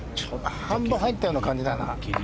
半分入ったような感じだな。